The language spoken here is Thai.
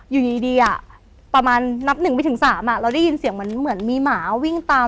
อยู่ดีประมาณนับหนึ่งไม่ถึง๓เราได้ยินเสียงเหมือนมีหมาวิ่งตาม